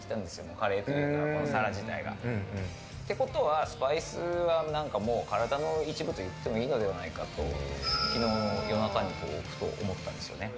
カレーというもの、この皿自体が。ってことは、スパイスは体の一部と言ってもいいのではないかと昨日の夜中にふと思ったんですね。